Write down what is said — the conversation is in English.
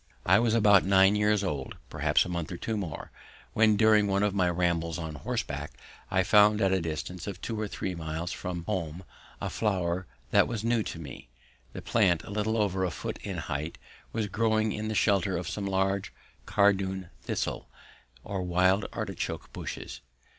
I was about nine years old, perhaps a month or two more, when during one of my rambles on horseback I found at a distance of two or three miles from home, a flower that was new to me. The plant, a little over a foot in height, was growing in the shelter of some large cardoon thistle, or wild artichoke, bushes.